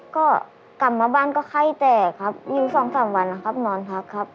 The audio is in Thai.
ก็กลับมาบ้านก็ไข้แตกครับอยู่สองสามวันนะครับนอนพักครับ